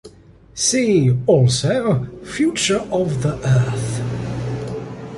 See also Future of the Earth.